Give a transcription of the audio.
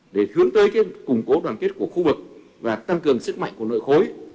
để hướng tới củng cố đoàn kết của khu vực và tăng cường sức mạnh của nội khối